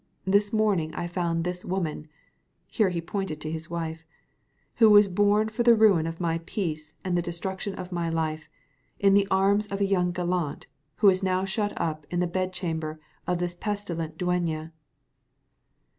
This morning I found this woman," (here he pointed to his wife,) "who was born for the ruin of my peace and the destruction of my life, in the arms of a young gallant, who is now shut up in the bed chamber of this pestilent dueña."